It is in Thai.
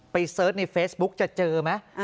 เสิร์ชในเฟซบุ๊กจะเจอไหม